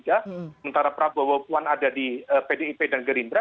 sementara prabowo puan ada di pdip dan gerindra